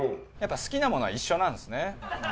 やっぱ好きなものは一緒なんですね。